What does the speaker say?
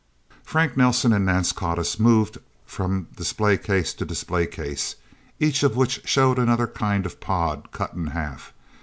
Frank Nelsen and Nance Codiss moved on from display case to display case, each of which showed another kind of pod cut in half.